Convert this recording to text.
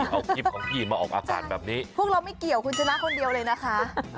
เอาคลิปของพี่มาออกอากาศแบบนี้พวกเราไม่เกี่ยวคุณชนะคนเดียวเลยนะคะ